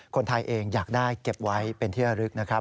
คนไทยเองอยากได้เก็บไว้เป็นที่ระลึกนะครับ